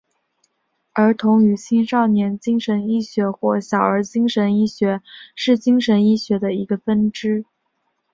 儿童与青少年精神医学或小儿精神医学是精神医学的一个分支。